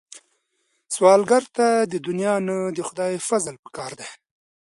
سوالګر ته د دنیا نه، د خدای فضل پکار دی